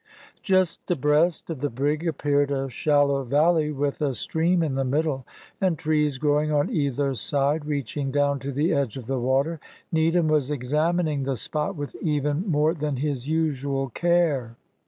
Just abreast of the brig appeared a shallow valley with a stream in the middle, and trees growing on either side, reaching down to the edge of the water; Needham was examining the spot with even more than his usual care.